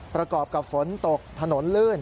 ประกอบกับฝนตกถนนลื่น